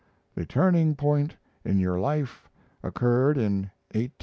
The turning point in your life occurred in 1840 7 8.